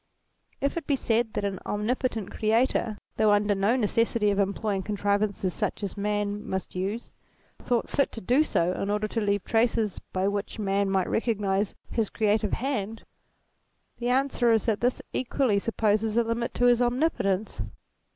If it be said, that an Omnipotent Creator, though under no necessity of employing contrivances such as man must use, thought fit to do so in order to leave traces by which man might recognize his crea ATTRIBUTES 179 tive hand, the answer is that this equally supposes a limit to his omnipotence.